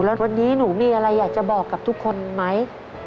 แล้ววันนี้หนูมีอะไรอยากจะบอกกับทุกคนไหม